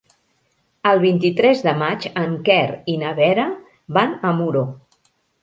El vint-i-tres de maig en Quer i na Vera van a Muro.